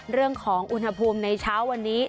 เรื่องของอุณหภูมิในเช้าวันนี้